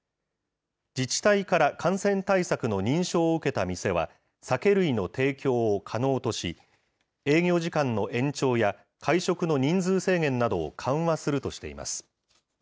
自治体から感染対策の認証を受けた店は、酒類の提供を可能とし、営業時間の延長や会食の人数制限などを緩和するとしています。